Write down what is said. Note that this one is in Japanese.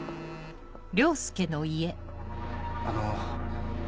あの。